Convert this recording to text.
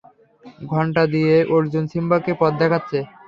ঘন্টা দিয়ে অর্জুন সিম্বাকে পথ দেখাচ্ছে!